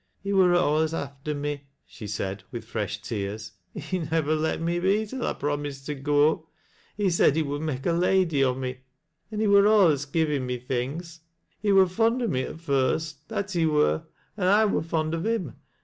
" He wur alius after me," she said, with fresh tears. "He nivver let me be till I promised to go. Ht said he would make a lady o' me an' he wur alius givin' me things. He wui fond o' me at first, — that he wur, — an' ] wur fond o' him.